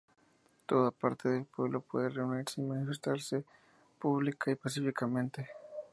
Toda parte del pueblo puede reunirse y manifestarse pública y pacíficamente.